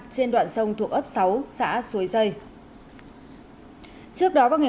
trên đoạn sông thuộc ấp sáu xã suối dây